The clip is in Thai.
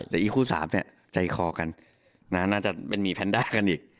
แต่อีกคู่๓เนี่ยใจคอกันน่าจะเป็นมีแพนด้ากันอีก